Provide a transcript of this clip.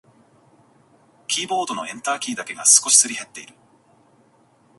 キーボードのエンターキーだけが少しすり減っている。